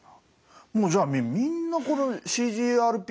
もうじゃあみんなこのＣＧＲＰ